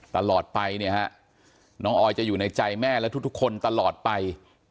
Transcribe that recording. ตลอดไปเนี่ยฮะน้องออยจะอยู่ในใจแม่และทุกคนตลอดไป